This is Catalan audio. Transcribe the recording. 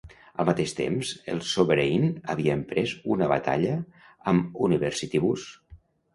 Al mateix temps, el Sovereign havia emprès una batalla amb Universitybus.